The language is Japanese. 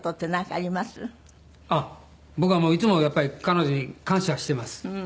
ああ僕はもういつもやっぱり彼女に感謝してます。